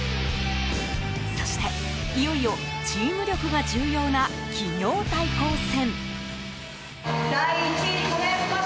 そしていよいよチーム力が重要な企業対抗戦。